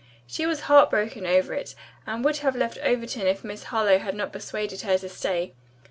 "She was heartbroken over it and would have left Overton if Miss Harlowe had not persuaded her to stay.